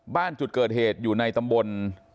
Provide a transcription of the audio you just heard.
บ้านจุดเกิดเหตุอยู่ในตำบล